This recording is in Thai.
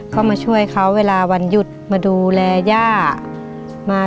ก็มาช่วยเขาเวลาวันหยุดมาดูแลย่ามา